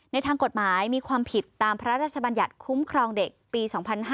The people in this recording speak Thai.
ทางกฎหมายมีความผิดตามพระราชบัญญัติคุ้มครองเด็กปี๒๕๕๙